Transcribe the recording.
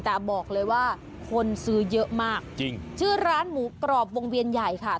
แต่บอกเลยว่าคนซื้อเยอะมากจริงชื่อร้านหมูกรอบวงเวียนใหญ่ค่ะ